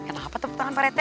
kenapa tepuk tangan pak rete